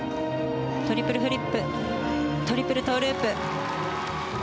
トリプルフリップトリプルトゥループ。